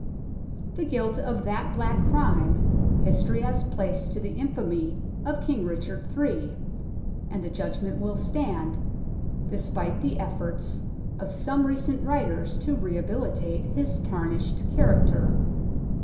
The guilt of that black crime history has placed to the infamy of King Richard III, and the judgment will stand, despite the efforts of some recent writers to rehabilitate his tarnished character.